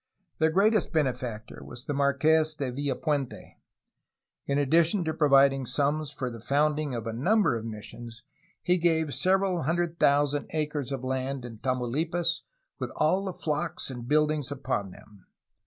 The greatest benefactor was the Marques de Villapuente. In addition to providing sums for the founding of a number of missions, he gave several hundred thousand acres of land in Tamaulipas, with all the flocks and buildings upon them.